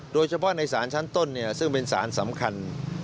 โดยเฉพาะในสารชั้นต้นซึ่งเป็นสารสำคัญ